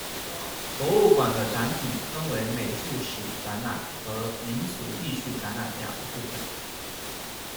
博物馆的展品分为美术史展览和民俗艺术展览两个部分。